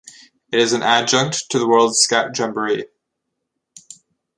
It is an adjunct to the World Scout Jamboree.